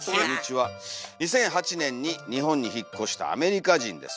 「２００８年に日本に引っ越したアメリカ人です」。